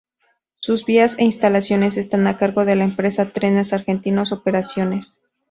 Sus vías e instalaciones están a cargo de la empresa Trenes Argentinos Operaciones.